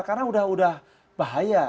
karena udah udah bahaya